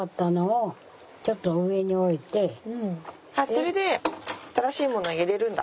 それで新しいもの入れるんだ。